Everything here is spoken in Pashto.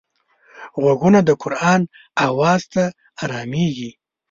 غوږونه د قرآن آواز ته ارامېږي